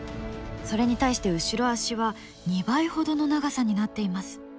それに対して後ろ足は２倍ほどの長さになっています。